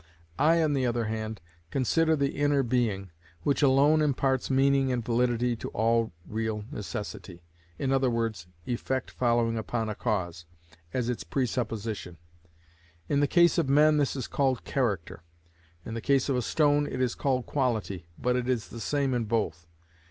I, on the other hand, consider the inner being, which alone imparts meaning and validity to all real necessity (i.e., effect following upon a cause) as its presupposition. In the case of men this is called character; in the case of a stone it is called quality, but it is the same in both.